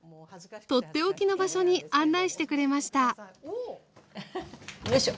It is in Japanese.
取って置きの場所に案内してくれましたよいしょ！